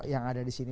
yang ada di sini